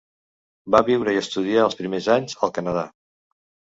Va viure i estudiar els primers anys al Canadà.